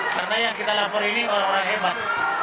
karena yang kita lapor ini orang orang hebat